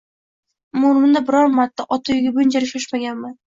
Umrimda biror marta ota uyga bunchalik shoshmaganman